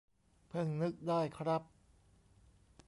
เพิ่งนึกได้ครับ